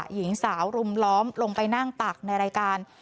หญิงสาวรุมล้อมลงไปนั่งตักในรายการ